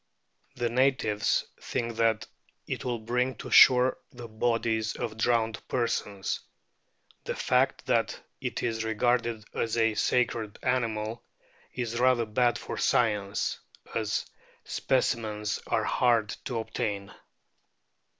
The natives think that it will bring to shore the bodies of drowned persons. The fact that it is regarded as a sacred animal is rather bad for science, as specimens are hard to obtain.